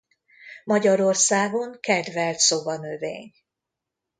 Magyarországon kedvelt szobanövény.